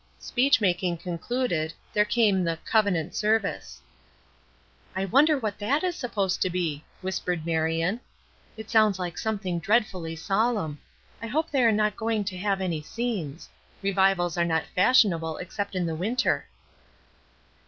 Speech making concluded, there came the "covenant service." "I wonder what that is supposed to be?" whispered Marion. "It sounds like something dreadfully solemn. I hope they are not going to have any scenes. Revivals are not fashionable except in the winter."